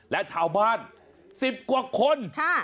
และชาวบ้าน๑๐กว่าคน